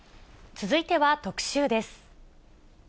続いては特集です。